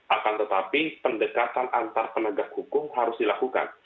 akan tetapi pendekatan antar penegak hukum harus dilakukan